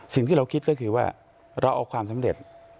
สิ่งที่เราคิดก็คือว่าเราเอาความสำเร็จ